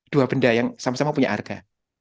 dua benda yang sama sama punya harga